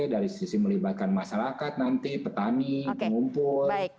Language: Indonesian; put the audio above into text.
dari sisi melibatkan masyarakat nanti petani pengumpul